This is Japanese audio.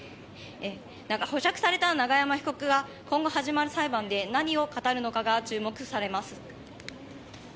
保釈された永山被告は今後始まる裁判で何を語るのかが注目されます。